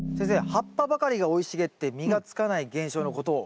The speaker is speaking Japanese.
葉っぱばかりが生い茂って実がつかない現象のことを？